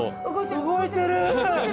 動いてる！